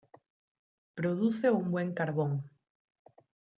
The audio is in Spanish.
Produce un buen carbón.